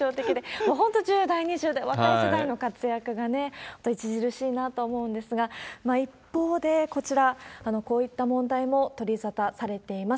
もう本当、１０代、２０代、若い世代の活躍がね、著しいなと思うんですが、一方で、こちら、こういった問題も取り沙汰されています。